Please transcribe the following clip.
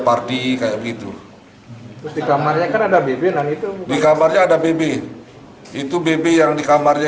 pardi kayak gitu di kamarnya kan ada bb nanti tuh di kamarnya ada bb itu bb yang di kamarnya